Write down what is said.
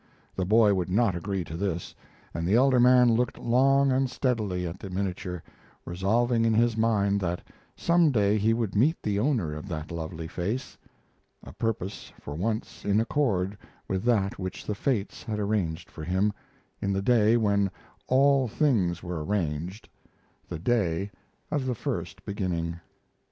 The boy would not agree to this, and the elder man looked long and steadily at the miniature, resolving in his mind that some day he would meet the owner of that lovely face a purpose for once in accord with that which the fates had arranged for him, in the day when all things were arranged, the day of the first beginning.